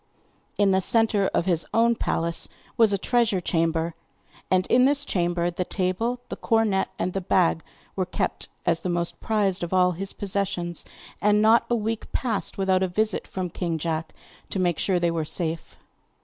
In the centre of his own palace was a treasure chamber, and in this chamber the table, the cornet, and the bag were kept as the most prized of all his possessions, and not a week passed without a visit from king John to make sure they were safe.